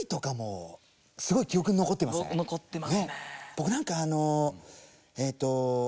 僕なんかあのえと。